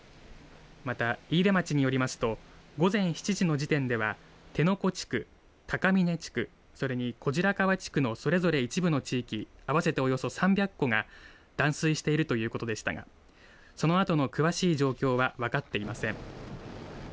また飯豊町によりますと午前７時の時点では手ノ子地区、高峰地区それに小白川地区のそれぞれ一部の地域合わせておよそ３００戸が断水しているということでしたがそのあとの詳しい状況は分かっていません。